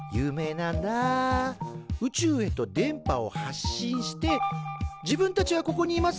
宇宙へと電波を発信して自分たちはここにいます